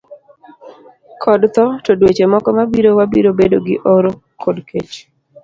kod tho, to dweche moko mabiro wabiro bedo gi oro kod kech.